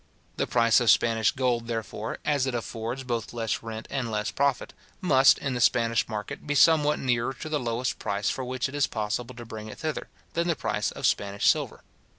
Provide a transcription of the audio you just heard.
The price of Spanish gold, therefore, as it affords both less rent and less profit, must, in the Spanish market, be somewhat nearer to the lowest price for which it is possible to bring it thither, than the price of Spanish silver.